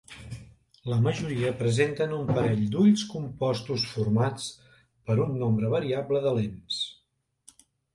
La majoria presenten un parell d'ulls compostos formats per un nombre variable de lents.